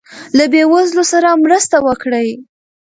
له بې وزلو سره مرسته وکړئ.